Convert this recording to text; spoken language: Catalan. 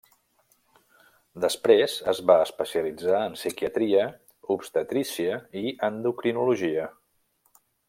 Després es va especialitzar en psiquiatria, obstetrícia i endocrinologia.